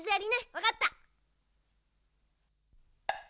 わかった！